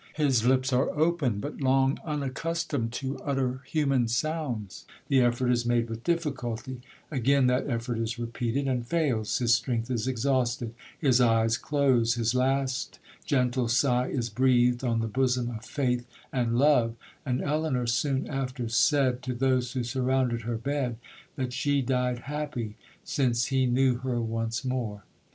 His lips are open, but long unaccustomed to utter human sounds, the effort is made with difficulty—again that effort is repeated and fails—his strength is exhausted—his eyes close—his last gentle sigh is breathed on the bosom of faith and love—and Elinor soon after said to those who surrounded her bed, that she died happy, since he knew her once more!